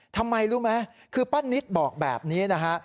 ทำไมรู้ไหมคือป้านิตบอกแบบนี้นะฮะ